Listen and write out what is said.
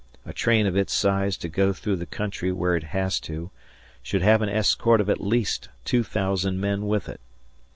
A train of its size to go through the country where it has to should have an escort of at least 2000 men with it.